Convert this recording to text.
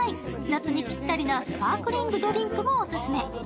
夏にぴったりなスパークリングドリンクもオススメ。